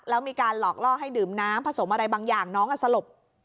แล้วมีการหลอกล่อให้ดื่มน้ำผสมอะไรบางอย่างน้องสลบ